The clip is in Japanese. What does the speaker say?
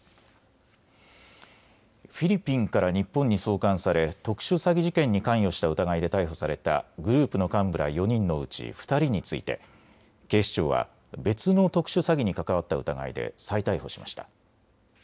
フィリピンから日本に送還され特殊詐欺事件に関与した疑いで逮捕されたグループの幹部ら４人のうち２人について警視庁は別の特殊詐欺に関わった疑いで再逮捕しました。